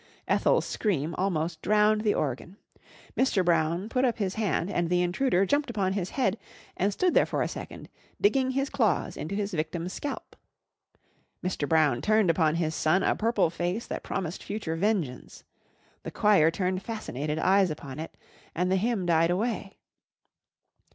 Ethel's scream almost drowned the organ. Mr. Brown put up his hand and the intruder jumped upon his head and stood there for a second, digging his claws into his victim's scalp. Mr. Brown turned upon his son a purple face that promised future vengeance. The choir turned fascinated eyes upon it, and the hymn died away.